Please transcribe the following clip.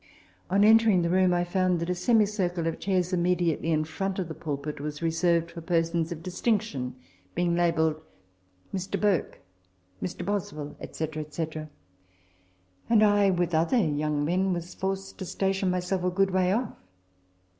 On entering the room, I found that a semicircle of chairs, im mediately in front of the pulpit, was reserved for persons of distinction, being labelled " Mr. Burke," " Mr. Boswell," &c. &c. ; and I, with other young 8 RECOLLECTIONS OF THE men, was forced to station myself a good way off.